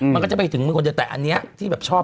มันก็จะไปถึงมือคนเดียวแต่อันนี้ที่แบบชอบ